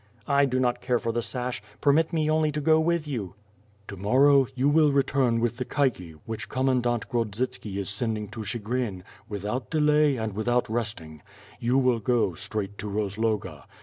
"I do not care for the sash. Permit me only to go with you." "To morrow, you will return with the caique, which Com mandant Grodzitski is sending to Chigrin, without delay and without resting; you will go straight to liozloga.